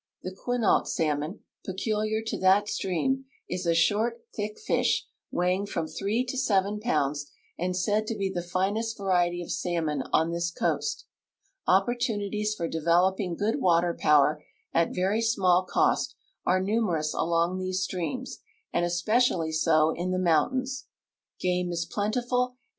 The Quinault salmon, peculiar to that stream, is a short, thick fish, weighing from three to seven pounds and said to be the finest variety of salmon on this coast. Oppor tunities for developing good water power at very small cost are numerous along these streams, and especially so in the moun tains. Game is plentiful, and .